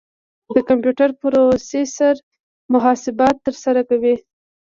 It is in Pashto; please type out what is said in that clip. د کمپیوټر پروسیسر محاسبات ترسره کوي.